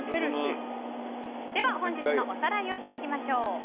では、本日のおさらいをしていきましょう。